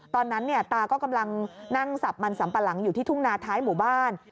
ตอนนั้นตาก็กำลังนั่งสับมันสัมปะหลังอยู่ที่ทุ่งนาท้ายหมู่บ้าน